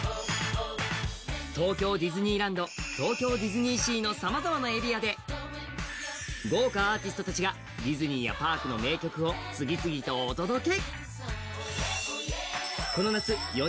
東京ディズニーランド、東京ディズニーシーのさまざまなエリアで豪華アーティストたちがディズニーやパークの名曲を次々とお届け。